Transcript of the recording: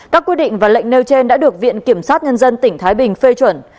các quy định và lệnh nêu trên đã được viện kiểm sát nhân dân tỉnh thái bình phê chuẩn